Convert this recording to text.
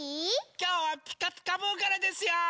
きょうは「ピカピカブ！」からですよ！